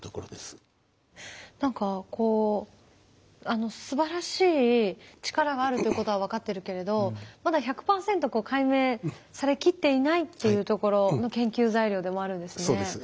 何かこうすばらしい力があるということは分かっているけれどまだ１００％解明されきっていないっていうところの研究材料でもあるんですね。